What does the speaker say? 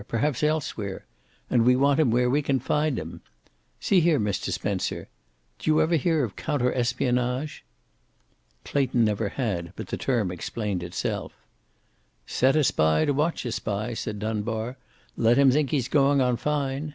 Perhaps elsewhere. And we want him where we can find him. See here, Mr. Spencer, d'you ever hear of counter espionage?" Clayton never had, but the term explained itself. "Set a spy to watch a spy," said Dunbar. "Let him think he's going on fine.